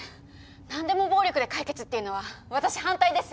何でも暴力で解決っていうのは私反対です。